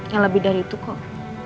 yang lebih dari itu kok